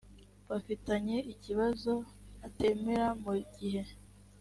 bafitanye ikibazo atemera mu gihe